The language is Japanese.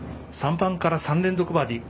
３番から３連続バーディー。